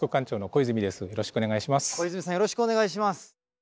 小泉さんよろしくお願いします。